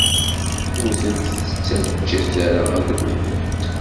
Ur tent-ttaǧǧat ara ad rewlent!